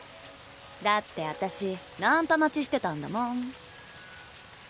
だってあたしナンパ待ちしてたんだもん。